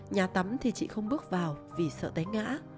nhà tắm thì chị không bước vào vì sợ tấy ngã